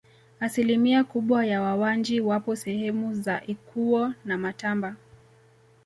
Asilimia kubwa ya Wawanji wapo sehemu za Ikuwo na Matamba